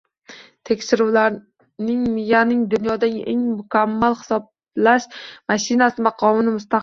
Tekshirishlar miyaning dunyodagi eng mukammal hisoblash mashinasi maqomini mustahkamladi